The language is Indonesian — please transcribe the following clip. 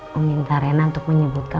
meminta rena untuk menyebutkan